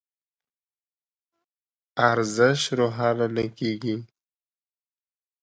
ارزش روښانه نه کېږي.